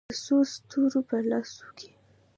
د څو ستورو په لاسو کې